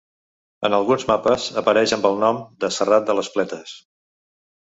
En alguns mapes apareix amb el nom de Serrat de les Pletes.